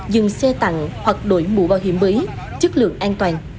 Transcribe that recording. dừng xe tặng hoặc đổi mũ bảo hiểm mới chất lượng an toàn